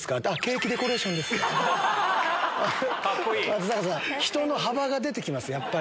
松坂さん人の幅が出て来ます。